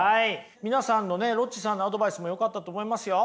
皆さんのねロッチさんのアドバイスもよかったと思いますよ。